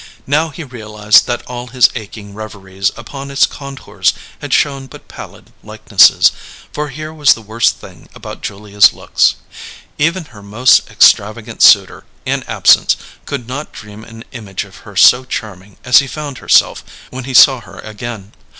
Now he realized that all his aching reveries upon its contours had shown but pallid likenesses; for here was the worst thing about Julia's looks; even her most extravagant suitor, in absence, could not dream an image of her so charming as he found herself when he saw her again.